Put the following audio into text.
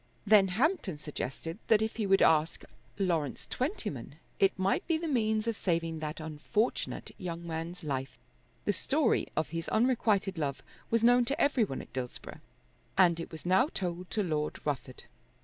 Then Hampton suggested that if he would ask Lawrence Twentyman it might be the means of saving that unfortunate young man's life. The story of his unrequited love was known to every one at Dillsborough and it was now told to Lord Rufford.